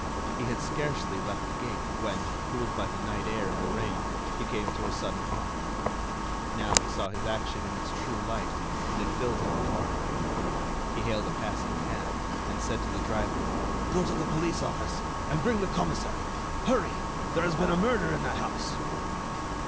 He had scarcely left the gate, when, cooled by the night air and the rain, he came to a sudden halt. Now, he saw his action in its true light, and it filled him with horror. He hailed a passing cab, and said to the driver: "Go to the police office, and bring the commissary. Hurry! There has been a murder in that house."